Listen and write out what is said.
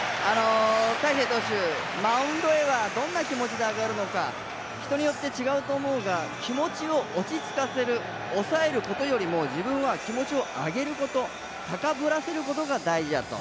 大勢投手マウンドへはどんな気持ちで上がるのか人によって違うと思うが気持ちを落ち着かせる抑えることよりも自分は気持ちを上げること高ぶらせることが大事だと。